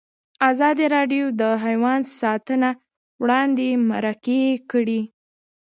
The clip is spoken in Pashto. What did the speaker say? ازادي راډیو د حیوان ساتنه اړوند مرکې کړي.